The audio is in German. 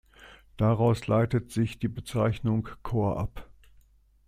Daraus leitet sich die Bezeichnung "Chor" ab.